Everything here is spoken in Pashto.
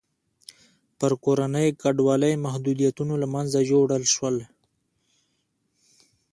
پر کورنۍ کډوالۍ محدودیتونه له منځه یووړل شول.